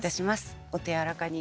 お手柔らかに。